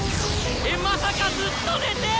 えっまさかずっと寝て！